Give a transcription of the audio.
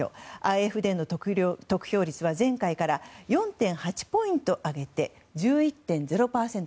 ＡｆＤの得票率は前回から４．８ポイント上げて１１．０％。